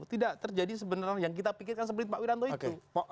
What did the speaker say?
tidak terjadi sebenarnya yang kita pikirkan seperti pak wiranto itu